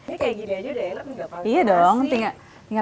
ini kayak gini aja udah enak